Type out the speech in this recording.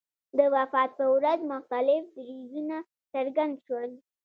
د وفات په ورځ مختلف دریځونه څرګند شول.